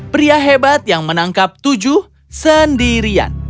pria hebat yang menangkap tujuh sendirian